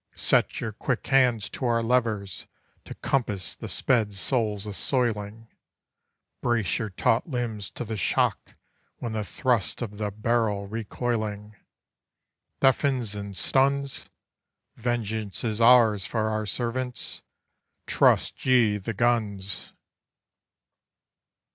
Set your quick hands to our levers to compass the sped soul's assoiling; Brace your taut limbs to the shock when the thrust of the barrel recoiling Deafens and stuns! Vengeance is ours for our servants. Trust ye the guns!